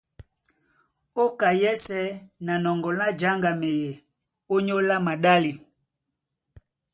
Ó ka yɛ́sɛ̄ na nɔŋgɔ lá jáŋgamɛyɛ ónyólá maɗále,